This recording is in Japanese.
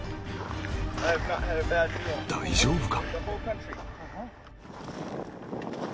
大丈夫か？